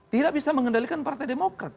tidak bisa mengendalikan partai demokrat